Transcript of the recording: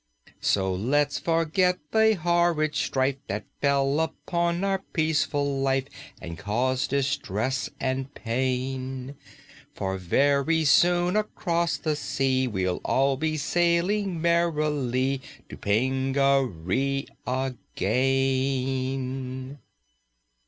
"So let's forget the horrid strife That fell upon our peaceful life And caused distress and pain; For very soon across the sea We'll all be sailing merrily To Pingaree again."